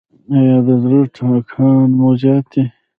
ایا د زړه ټکان مو زیات دی؟